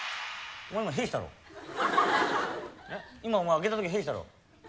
今お前開けた時屁したろ？